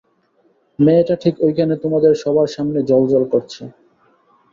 মেয়েটা ঠিক ঐখানে তোমাদের সবার সামনে জ্বলজ্বল করছে।